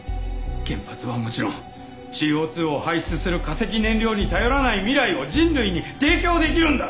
原発はもちろんＣＯ２を排出する化石燃料に頼らない未来を人類に提供できるんだ！